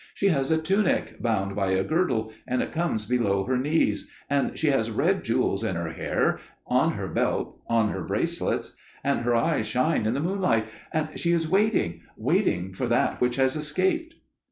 She has a tunic, bound by a girdle, and it comes below her knees: and she has red jewels in her hair, on her belt, on her bracelets; and her eyes shine in the moonlight: and she is waiting,––waiting for that which has escaped.